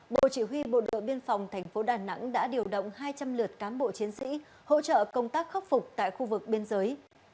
bộ chỉ huy bộ đội biên phòng tp đà nẵng đã điều động hai trăm linh lượt cán bộ chiến sĩ hỗ trợ công tác khắc phục tại khu vực biên giới